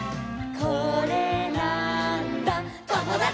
「これなーんだ『ともだち！』」